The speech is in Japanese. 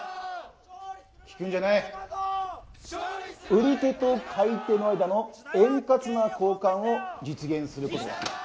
・売り手と買い手の間の円滑な交換を実現することだ。